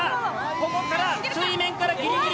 ここから水面からギリギリ。